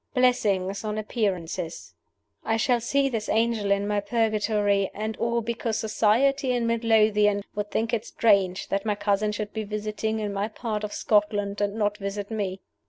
Blessings on appearances! I shall see this angel in my purgatory and all because Society in Mid Lothian would think it strange that my cousin should be visiting in my part of Scotland and not visit Me!